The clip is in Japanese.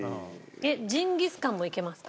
ジンギスカンもいけますか？